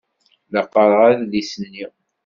La qqaṛeɣ adlis-nni.